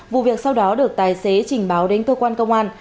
vụ việc sau đó được tài xế trình báo đến cơ quan công an